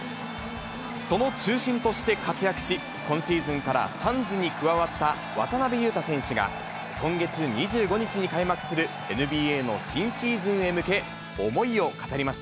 その中心として活躍し、今シーズンからサンズに加わった渡邊雄太選手が、今月２５日に開幕するＮＢＡの新シーズンへ向け、思いを語りまし